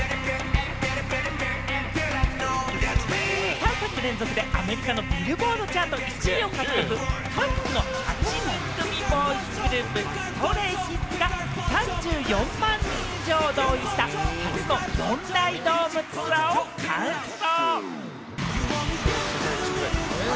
３作連続でアメリカのビルボードチャート１位を獲得、韓国の８人組ボーイズグループ・ＳｔｒａｙＫｉｄｓが３４万人以上を動員した、初の４大ドームツアーを完走。